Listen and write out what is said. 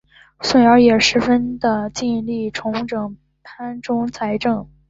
宗尧也十分的尽力重整藩中财政。